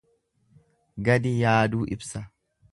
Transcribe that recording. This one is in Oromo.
Gadi yaaduu ibsa.